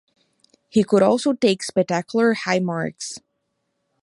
He could also take spectacular high marks.